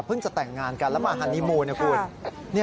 พึ่งจะแต่งงานกันแล้วมาฮันนี่โมนนะคุณ